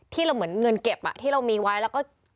เหมือนเงินเก็บที่เรามีไว้แล้วก็